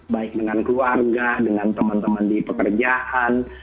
baik dengan keluarga dengan teman teman di pekerjaan